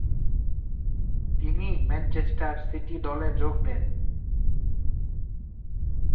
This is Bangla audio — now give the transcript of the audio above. তিনি ম্যানচেস্টার সিটি দলে যোগদেন।